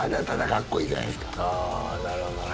ああーなるほどね。